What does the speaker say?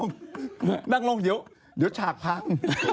นั่งลงเดี๋ยวฉากพัง